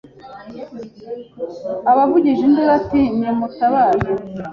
aba avugije induru ati ni mutabare